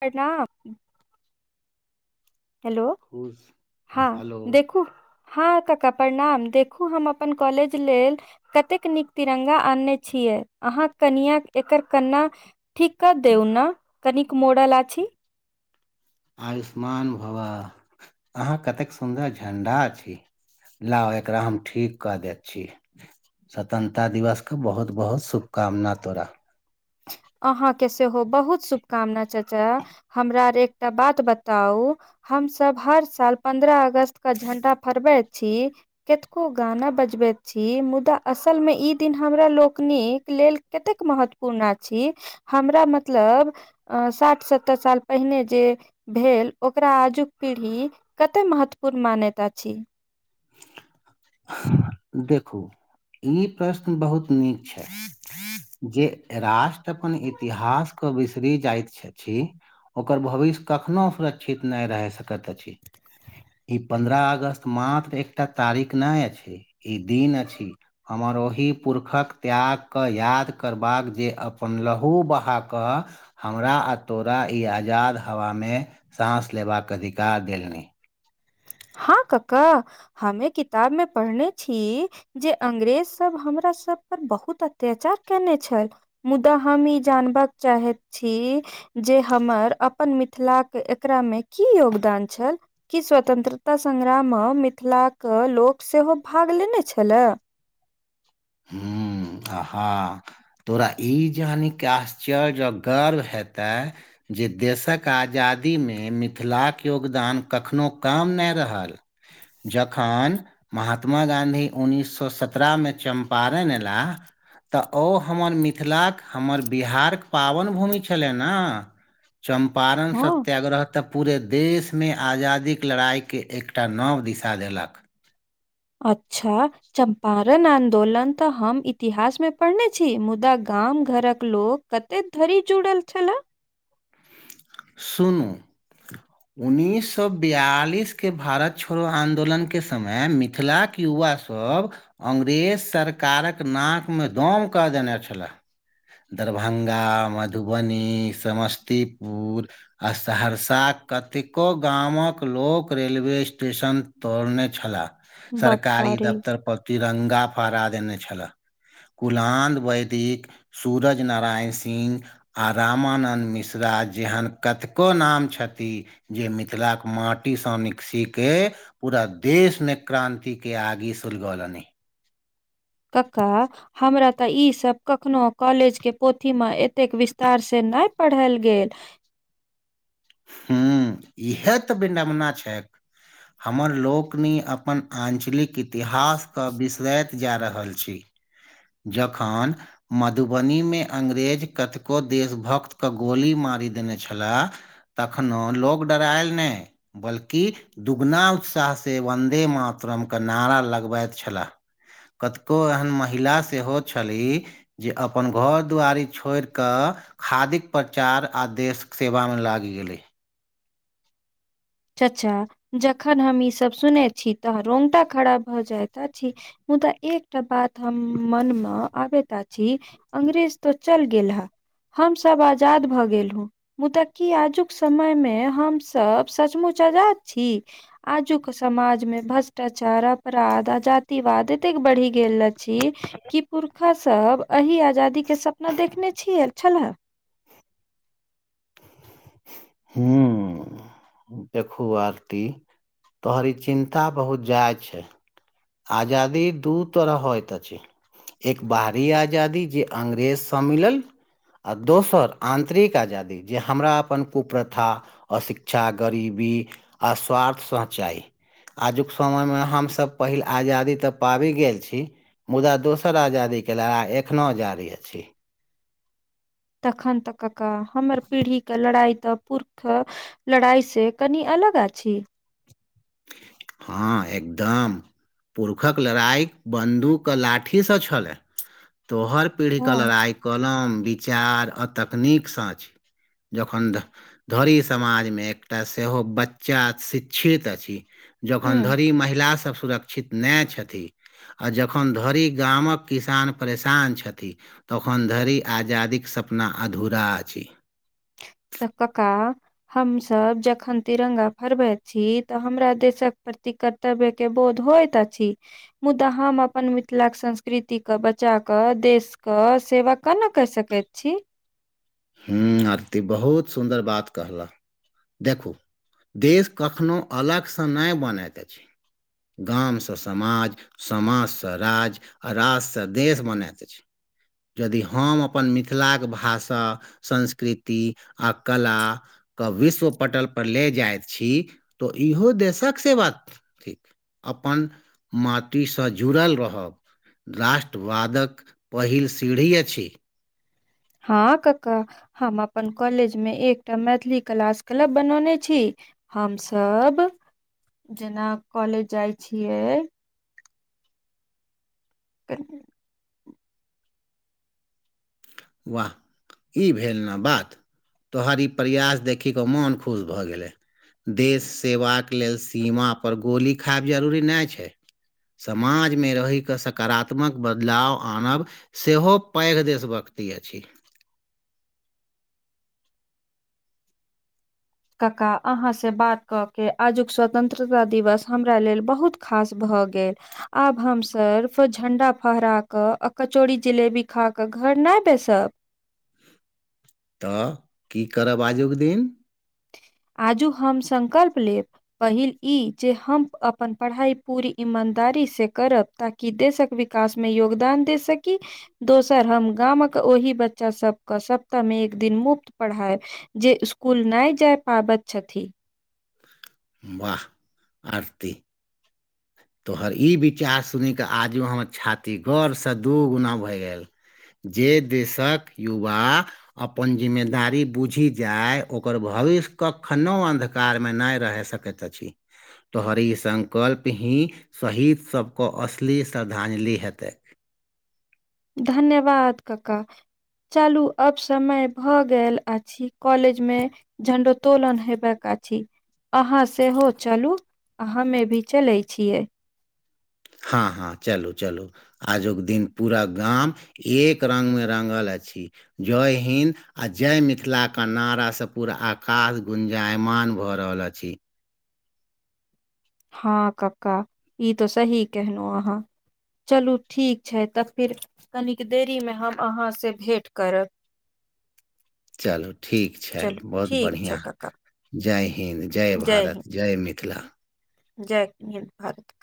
प्रणाम हेलो खुश [inaudible] हँ हेलो देखू हँ काका प्रणाम देखू हम अपन कॉलेज लेल कतेक नीक तिरंगा आनने छियै अहाँ कनिया एकर कन्ना ठीक कर देउ न कनिक मोरल अछि आयुष्मान भवः अहाँ कतेक सुन्दर झण्डा छैय लाउ एकरा हम ठीक कऽ दै छी स्वतन्त्रता दिवसकेँ बहुत बहुत शुभकामना तोरा अहाँ केँ सेहो बहुत शुभकामना चाचा हमरा एकटा बात बताउ हमसभ हर साल पन्द्रह अगस्त के झंडा फरबै छी कतेको गाना बजबैत छी मुदा असलमे ई दिन हमरा लोकनिक लेल कतेक महत्वपूर्ण अछि हमरा मतलब साठ सत्तर साल पहिने जे भेल ओकरा आजुक पीढ़ी कते महत्वपूर्ण मान्यता अछि देखू ई प्रश्न बहुत नीक छै जे राष्ट्र अपन इतिहास के बिसरी जाइत अछि ओकर भविष्य कखनो सुरक्षित नहि रैह सकैत अछि ई पन्द्रह अगस्त मात्र एकटा तारीख नहि अछि ई दिन अछि हमर ओही पुरुषक त्यागकेँ याद करबाक जे अपन लहू बहा कऽ हमरा आ तोरा ई आजाद हवामे साँस लेबाक अधिकार देलनि हँ कका हमे किताब मे पढ़ने छीिय जे अंग्रेज सब हमरा सब पर बहुत अत्याचार केने छल मुदा हम ई जानबाक चाहैत छी जे हमर अपन मिथिलाक एकरामे की योगदान छल की स्वतंत्रता तऽ संग्राममे मिथिलाके लोक सेहो भाग लेने छलए हू आहा तोरा ई जानिक आश्चर्य जँ गर्व हेतै जे देशक आजादीमे मिथिलाक योगदान कखनहु कम नहि रहल जखन महात्मा गाँधी उन्नीस सए सत्रहमे चम्पारण ऐलाह तऽ ओ हमर मिथिलाक हमर बिहारक पावन भूमि छलै ने चम्पारण हँ सत्याग्रह तऽ पूरे देशमे आजादीक लड़ाइके एकटा नव दिशा देलक अच्छा चम्पारण रण आन्दोलन तऽ हम इतिहासमे पढ़ने छी मुदा गाम घरक लोक कते धरि जुड़ल छलए शूनू उन्नैस सए बिआलिसके भारत छोड़ो आन्दोलनके समय मिथिलाक युवा सब अङ्ंग्रेज सरकारक नाकमे दम कऽ देने छलए दरभंगा मधुबनी समस्तीपुर आ सहरसाक कतेको गामक लोक रेलवे स्टेशन तोड़ने छलाह बाप सरकारी रे दफ्तर पर तिरंगा फहरा देने छलह कुलान वैदिक सूरज नारायण सिंह आ रामानन्द मिश्रा जेहन कतको नाम छथिन जे मिथिलाक माटीसँ निक्सीके पूरा देश मे क्रान्तिक के आगे सुलगलनि कका हमरा तऽ ई सब कखनो कॉलेज के पोथी मे एत एतेक विस्तार से नहि पढाल गेल हू इएह तऽ बिडमना छै हमर लोकनी अपन आञ्चलिक इतिहासकेँ बिसरैत जा रहल छै जखन मधुबनीमे अंग्रेज कतेको देशभक्तकेँ गोली मारि देने छलाह तखनो लोक डरायल नहि बल्कि दुगुना उत्साहसँ वन्दे मातरमके नारा लगबैत छलाह कतको एहन महिला सेहो छली जे अपन घर दुआरि छोड़ि कऽ खादीक प्रचार आ देशक सेवामे लागि गेलै चाचा जखन हम ईसभ सुने छी तऽ रोंगटा खरा भऽ जायइत अछि मुदा एकटा बात हम मनम आबैत अछी अंग्रेज तो चल गेल है हम सब आजाद भए गेल हु मुदा की आजुक समय मे हम सब सचमुच आजाद छी आजुक समाजमे भ्रष्टाचार अपराध आ जातिवाद एतेक बढ़ि गेल अछि की पुरखा सब एही आजादी केँ सपना देखने छिय छलह [unintelligible] देखू आरती तोहर ई चिन्ता बहुत जाइज छै आजादी दू तरह होतअछि एक बाहरी आजादी जे अंग्रेजसँ मिलल आ दोसर आन्तरिक आजादी जे हमरा अपन कुप्रथा अशिक्षा गरीबी आ स्वार्थ स्चाइ आजुक समयमे हमसभ पहिल आजादी तऽ पाबि गेल छी मुदा दोसर आजादी केँ लड़ाई एखनो जारी अछि तखन तऽ काका हमर पीढ़ी कऽ लड़ाइ तऽ पुरख लड़ाई से कनि अलग अछि हँ एकदम पुरख लड़ाइ बन्दुक लाठीसँ छलै तोहर पीढ़ी कऽ हँ लड़ाइ कलम विचार आ तकनीकसँ अछि जखन धरी समाज मे एकटा सेहो बच्चा शिक्षित अछि जखन हूँ धरि महिला सब सुरक्षित नहि छथि आ जखन धरि गामक किसान परेशान छथिन तखन धरि आजादी कऽ सपना अधूरा अछि तऽ काका हमसभ जखन तिरंगा फरबैत छी तऽ हमरा देशक प्रति क तबे केँ बोध होइत अछि मुदा हम अपन मिथिलाक संस्कृतिके बचा कऽ देश कऽ सेवक कोना कर सकैत छी हूँ आरती बहुत सुन्दर बात कहलह देखू [inaudible] देश कखनो अलगसँ नहि बनैत अछि गामसँ समाज समाजसँ राज्य आ राज्यसँ देश बनाइत अछि यदि हम अपन मिथिलाक भाषा संस्कृति आ कला कऽ विश्व पटल पर ले जाइत छी तऽ इहो देशक सेवा ठीक अपन माटिसँ जुड़ल रहब राष्ट्रवादक पहिल सीढ़ी अछि हँ काका हम अपन कॉलेज मे एकटा मैथिली क्लास क्लब बनौने छी हम सब [inaudible] जेना कॉलेज जाइ छियै [unintelligible] वाह ई भेल ने बात तोहर ई प्रयास देखि कऽ ओ मोन खुश भऽ गेलै देश सेवाक लेल सीमाापर गोली खायब जरूरी नहि छै समाजमे रहि कऽ सकारात्मक बदलाव आनब सेहो पैर देश भक्ति अछि काका अहाँसँ बात कऽ के आजुक स्वतन्त्रता दिवस हमरा लेल बहुत खास भऽ गेल आब हम सर्फ झण्डा फहरा कऽ आ कचौड़ी जिलेबी खा कऽ घर नहि बैसब तऽ की करब आजुक दिन आजू हम संकल्प लेब पहिल ई जे हम अपन पराइ पूरी ईमानदारीसँ करब ताकि देशक विकास मे योगदान दे सकी दोसर हम गामक ओहि बच्चा सबके सप्ताहमे एक दिन मुफ्त पढ़ायेब जे स्कुल नय जाय पाबैत छथिन वाह आरती तोहर ई विचार सुनि कऽ आजू हमर छाती गौरसँ दू गुना भए गेल जे देशक युवा अपन जिम्मेदारी बुझि जाय ओकर भविष्य कखनो अन्धकारमे नैह रहि सकैत अछि तोहर संकल्प ही शहीद सभके असली श्रद्धांजलि हेतै धन्यवाद काका चालू अब समय भए गेल अछि कॉलेज मे झंडोतोलन हेबा क छी अहाँ सेहो चलु हमे भी चले छियै हँ हँ चलू, चलू आजुक दिन पूरा गांम एक रंग मे रांगल अछि जोय हिन्द आ जय मिथिला कऽ नारा स पूरा आकाश गुंजायमान भऽ रहल अछी हँ कक्का, ई तो सही कहेनौ अहाँ चलू ठीक छै तऽ फेर कनिक देरी मे हम अहाँ से भेंट करब चल ठीक छै, चलू बहुत ठीक बढ़िआं। छै कक्का, जय हिन्द जय भारत, जय मिथिला जयक हिन्द, भारत